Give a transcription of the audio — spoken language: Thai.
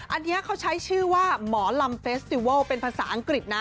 อันนี้เขาใช้ชื่อว่าหมอลำเฟสติวัลเป็นภาษาอังกฤษนะ